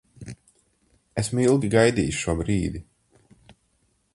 Esmu ilgi gaidījis šo brīdi.